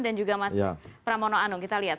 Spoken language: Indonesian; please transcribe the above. dan juga mas pramono anung kita lihat